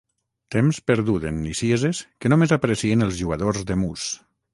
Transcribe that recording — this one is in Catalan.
Temps perdut en nicieses que només aprecien els jugadors de mus.